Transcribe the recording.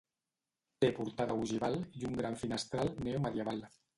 Té portada ogival i un gran finestral neomedieval.